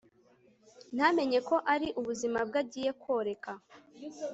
ntamenye ko ari ubuzima bwe agiye koreka